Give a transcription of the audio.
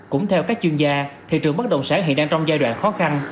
cũng theo các chuyên gia thị trường bất động sản hiện đang trong giai đoạn khó khăn